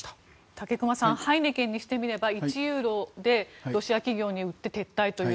武隈さんハイネケンにしてみれば１ユーロでロシア企業に売って撤退という。